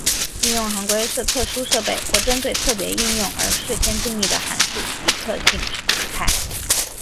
应用行规是特殊设备或针对特别应用而事先定义的函数及特性组态。